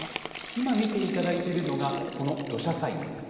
今見ていただいているのが、この土砂災害です。